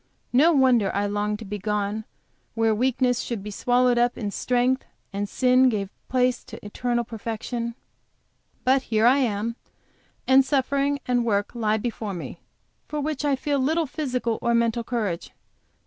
No wonder I longed to be gone where weakness should be swallowed up in strength, and sin give place to eternal perfection! But here I am, and suffering and work lie before me, for which I feel little physical or mental courage.